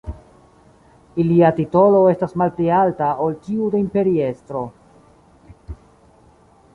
Ilia titolo estas malpli alta ol tiu de imperiestro.